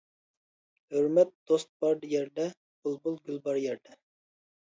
ھۆرمەت دوست بار يەردە، بۇلبۇل گۈل بار يەردە.